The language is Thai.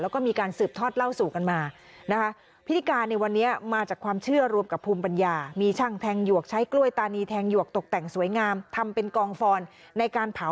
แล้วก็มีการสืบท็อตเหล้าสู่กันมา